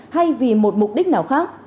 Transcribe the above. hay vì một mục đích nào khác